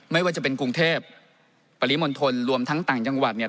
ไม่ว่าจะเป็นกรุงเทพปริมณฑลรวมทั้งต่างจังหวัดเนี่ย